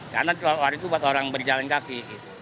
karena telotuar itu buat orang berjalan kaki